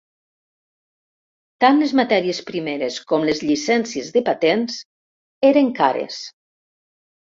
Tant les matèries primeres com les llicències de patents eren cares.